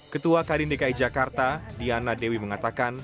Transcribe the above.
ketua karindekai jakarta diana dewi mengatakan